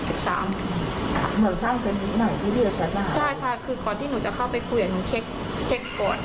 เอ้อบ่ายโมงกว่าได้แล้วก็มีการเช็คมหาหนูตอนบ่ายสอง